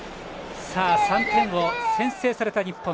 ３点を先制された日本。